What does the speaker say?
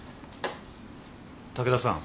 竹田さん。